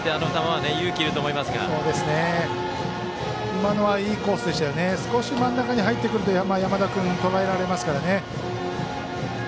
今のはいいコースでした少し真ん中に、入ってくると山田君、とらえられますからね。